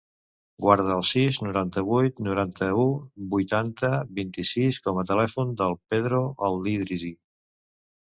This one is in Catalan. Guarda el sis, noranta-vuit, noranta-u, vuitanta, vint-i-sis com a telèfon del Pedro El Idrissi.